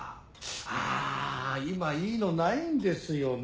ああ今いいのないんですよね。